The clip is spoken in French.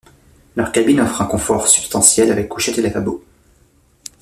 Leur cabine offre un confort substantiel avec couchettes et lavabo.